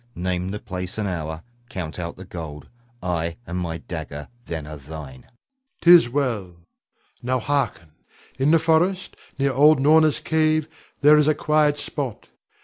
Name the place and hour; count out the gold, I and my dagger then are thine. Rod. 'Tis well. Now harken. In the forest, near old Norna's cave, there is a quiet spot.